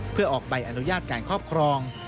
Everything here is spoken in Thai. เพื่อออกใบอนุญาตการครอบครอง